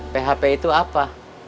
php itu apa